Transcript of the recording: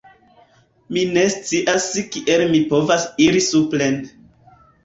Mi ne scias kiel mi povas iri supren